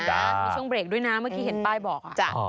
มีช่วงเบรกด้วยนะเมื่อกี้เห็นป้ายบอก